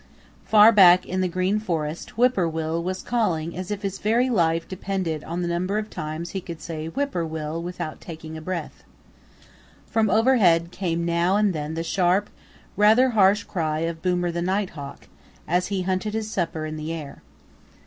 Far back in the Green Forest Whip poor will was calling as if his very life depended on the number of times he could say, "Whip poor Will," without taking a breath. From overhead came now and then the sharp, rather harsh cry of Boomer the Nighthawk, as he hunted his supper in the air.